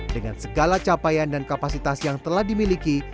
dengan segala capaian dan kapasitas yang telah dimiliki